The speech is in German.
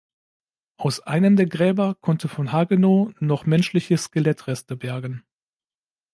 Aus einem der Gräber konnte von Hagenow noch menschliche Skelettreste bergen.